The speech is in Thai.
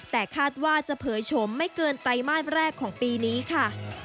แต่คาดว่าจะเผยชมไม่เกินไตรมาสแรกของปีนี้ค่ะ